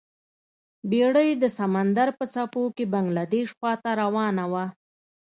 بیړۍ د سمندر په څپو کې بنګلادیش خواته روانه وه.